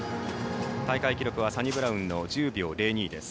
大会記録はサニブラウンの１０秒０２です。